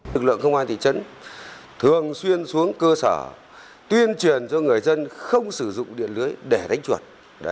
lực lượng công an thị trấn thường xuyên xuống cơ sở tuyên truyền cho người dân không sử dụng điện lưới để đánh chuột